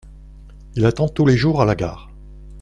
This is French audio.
Il attend tous les jours à la gare.